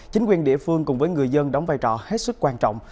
chính quyền địa phương cùng với người dân đóng vai trò hết sức quan trọng